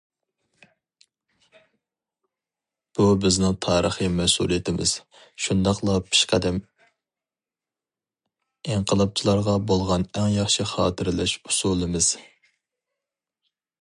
بۇ بىزنىڭ تارىخىي مەسئۇلىيىتىمىز، شۇنداقلا پېشقەدەم ئىنقىلابچىلارغا بولغان ئەڭ ياخشى خاتىرىلەش ئۇسۇلىمىز.